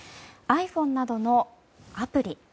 ｉＰｈｏｎｅなどのアプリ。